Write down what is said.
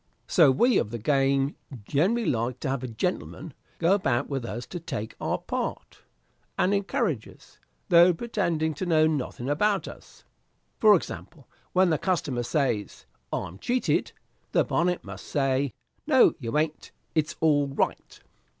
So we of the game generally like to have gentlemen go about with us to take our part, and encourage us, though pretending to know nothing about us. For example, when the customer says, 'I'm cheated,' the bonnet must say, 'No, you a'n't; it is all right.'